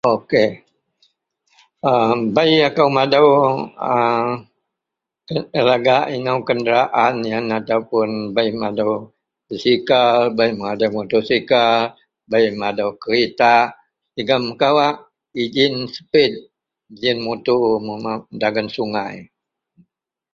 ok.. a bei akou madau a lagak inou kenderaan ien ataupun bei madou basikal bei madou motosikal bei madou keretak jegum kawak engin spet mutu dagen sungai.